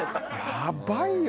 やばいよ！